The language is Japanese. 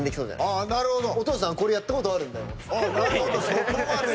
そこまで。